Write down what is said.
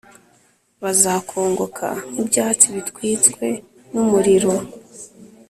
Bazakongoka nk’ibyatsi bitwitswe n’umuriro,